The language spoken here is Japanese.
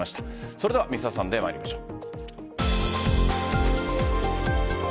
それでは「Ｍｒ．サンデー」参りましょう。